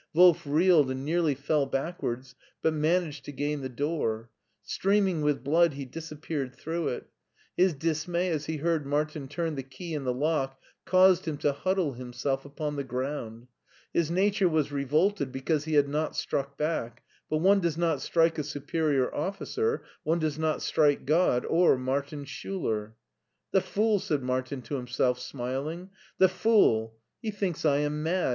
Wolf reeled and nearly fell backwards, but managed to gain the door. Streaming with blood he disappeared through it. His dismay as he heard Martin turn the key in the lock caused him to huddle himself upon the ground. His nature was revolted because he had not struck back, but one does not strike a superior officer, one does not strike God or Martin Schuler. " The fool !" said Martin to himself smiling, " the fool! He thinks I am mad.